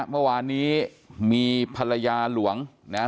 เมื่อวานนี้มีภรรยาหลวงนะฮะ